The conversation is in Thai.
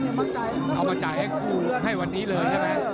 นี่คือยอดมวยแท้รักที่ตรงนี้ครับ